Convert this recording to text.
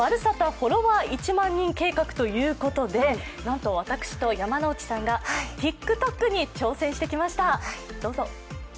フォロワー１００００人計画」ということでなんと、私と山内さんがＴｉｋＴｏｋに挑戦してきました。